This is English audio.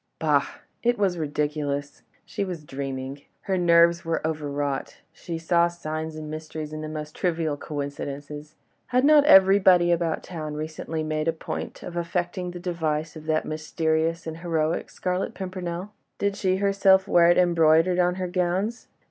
Bah! It was ridiculous! she was dreaming! her nerves were overwrought, and she saw signs and mysteries in the most trivial coincidences. Had not everybody about town recently made a point of affecting the device of that mysterious and heroic Scarlet Pimpernel? Did she not herself wear it embroidered on her gowns?